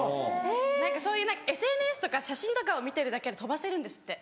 何かそういうＳＮＳとか写真とかを見てるだけで飛ばせるんですって。